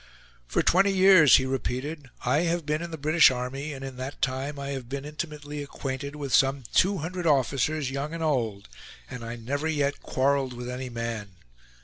"For twenty years," he repeated, "I have been in the British army, and in that time I have been intimately acquainted with some two hundred officers, young and old, and I never yet quarreled with any man.